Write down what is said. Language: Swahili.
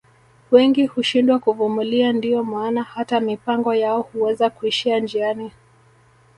Wengi hushindwa kuvumilia ndio maana hata mipango yao Huweza kuishia njiani